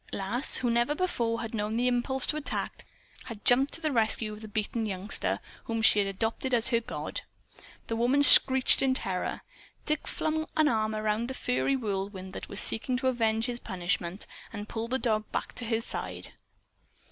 Lass, who never before had known the impulse to attack, had jumped to the rescue of the beaten youngster whom she had adopted as her god. The woman screeched in terror. Dick flung an arm about the furry whirlwind that was seeking to avenge his punishment, and pulled the dog back to his side.